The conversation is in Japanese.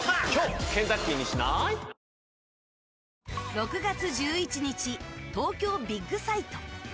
６月１１日東京ビッグサイト。